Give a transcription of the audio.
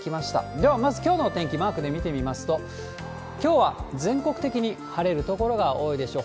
ではまず、きょうのお天気、マークで見てみますと、きょうは全国的に晴れる所が多いでしょう。